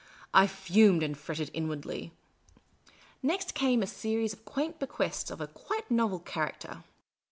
I fumed and fretted inwardly. Next came a series of quaint bequests of a quite novel character.